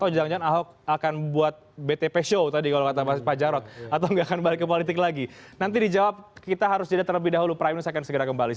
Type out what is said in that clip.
dia tidak ingin jadi apa apa